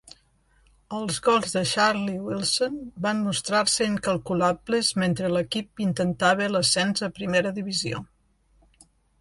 Els gols de Charlie Wilson van mostrar-se incalculables mentre l'equip intentava l'ascens a primera divisió.